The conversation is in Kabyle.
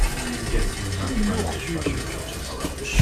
Kemmel i uxeddim-im.